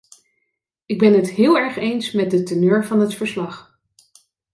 Ik ben het heel erg eens met de teneur van het verslag.